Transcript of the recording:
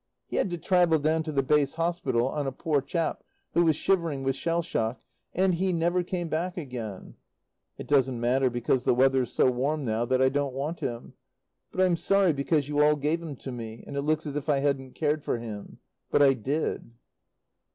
He had to travel down to the base hospital on a poor chap who was shivering with shell shock, and he never came back again. It doesn't matter, because the weather's so warm now that I don't want him. But I'm sorry because you all gave him to me and it looks as if I hadn't cared for him. But I did....